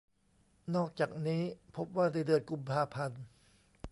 นอกจากนี้ พบว่าในเดือนกุมภาพันธ์